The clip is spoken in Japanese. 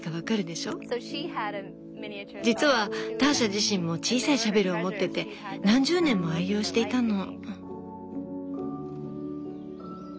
実はターシャ自身も小さいシャベルを持ってて何十年も愛用していたの。